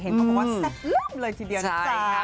เขาบอกว่าแซ่บล่มเลยทีเดียวนะจ๊ะ